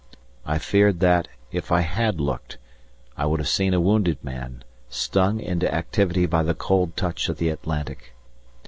I feared that, if I had looked, I would have seen a wounded man, stung into activity by the cold touch of the Atlantic.